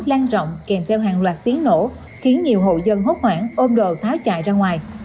lan rộng kèm theo hàng loạt tiếng nổ khiến nhiều hộ dân hốt hoảng ôm đồ tháo chạy ra ngoài